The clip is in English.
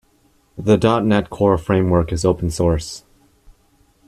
The dot net core framework is open source.